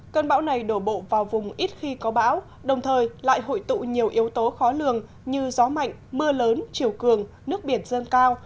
cơn bão này đổ bộ vào vùng ít khi có bão đồng thời lại hội tụ nhiều yếu tố khó lường như gió mạnh mưa lớn chiều cường nước biển dân cao